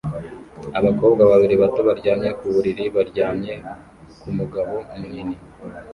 Abakobwa babiri bato baryamye ku buriri baryamye ku mugabo munini